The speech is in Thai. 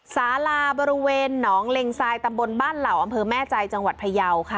สาลาบริเวณหนองเล็งทรายตำบลบ้านเหล่าอำเภอแม่ใจจังหวัดพยาวค่ะ